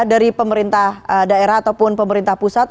dari pemerintah daerah ataupun pemerintah pusat